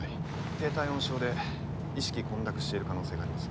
低体温症で意識混濁している可能性があります。